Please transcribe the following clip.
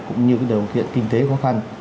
cũng như cái điều kiện kinh tế khó khăn